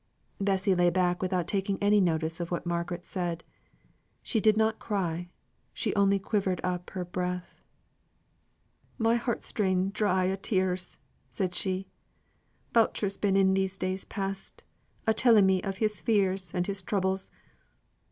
Bessy lay back without taking any notice of what Margaret said. She did not cry she only quivered up her breath. "My heart's drained dry o' tears," she said. "Boucher's been in these days past, a telling me of his fears and his troubles.